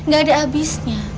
gak ada abisnya